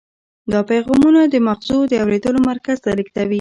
دا پیغامونه د مغزو د اورېدلو مرکز ته لیږدوي.